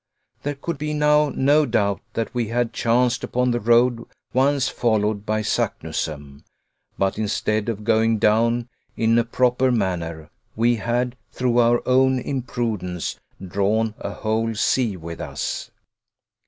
There could be now no doubt that we had chanced upon the road once followed by Saknussemm, but instead of going down in a proper manner, we had, through our own imprudence, drawn a whole sea with us!